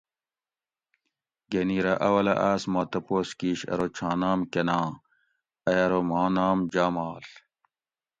گۤھنیرہ اولہ آۤس ما تپوس کِیش ارو چھاں نام کۤناں؟ ائی ارو ماں نام جاماڷ